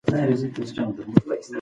حکومت باید د خلکو امنیت وساتي.